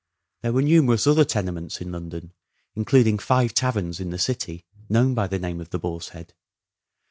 ... There were numerous other tenements in London, including five taverns in the city known by the name of the Boar's Head.